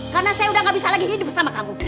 karena saya udah gak bisa lagi hidup sama kamu